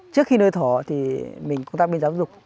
trước khi nuôi thỏ thì mình cũng đang bên giáo dục